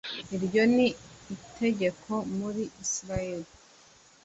Iryo ni itegeko muri Israheli